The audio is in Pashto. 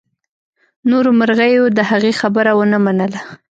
نورو مرغیو د هغې خبره ونه منله.